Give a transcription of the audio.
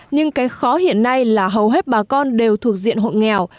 nhưng cái khó hiện nay là hầu hết bà con đều thuộc diện hộ nghèo